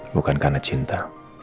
bukan karena cinta